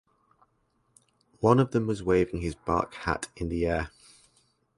One of them was waving his bark hat in the air.